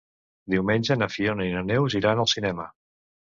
Diumenge na Fiona i na Neus iran al cinema.